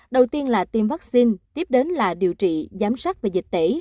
đầu tiên là tiêm vaccine tiếp đến là điều trị giám sát về dịch tễ